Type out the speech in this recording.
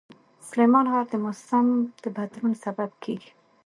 سلیمان غر د موسم د بدلون سبب کېږي.